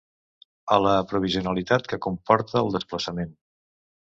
A la provisionalitat que comporta el desplaçament.